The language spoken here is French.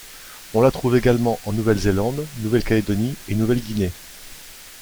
On la trouve également en Nouvelle-Zélande, Nouvelle-Calédonie et Nouvelle-Guinée.